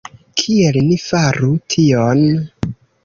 Kiel ni faru tion?